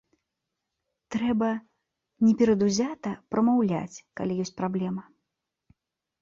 Трэба неперадузята прамаўляць, калі ёсць праблема.